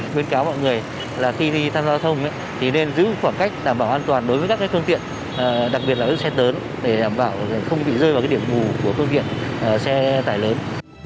nguyên cáo mọi người là khi đi tham gia giao thông ấy thì nên giữ khoảng cách đảm bảo an toàn đối với các cái phương tiện đặc biệt là xe tớn để đảm bảo không bị rơi vào cái điểm mù của phương tiện xe tải lớn